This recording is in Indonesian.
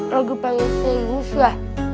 lagu panggung seus ya